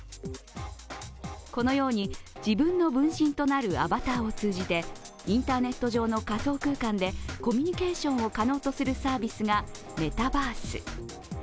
このように自分の分身となるアバターを通じてインターネット上の仮想空間でコミュニケーションを可能とするサービスが、メタバース。